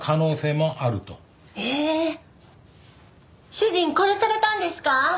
主人殺されたんですか？